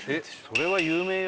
それは有名よ？